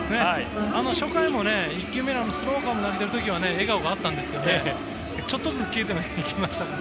初回も１球目のスローカーブを投げている時は笑顔があったんですけどちょっとずつ消えていきました。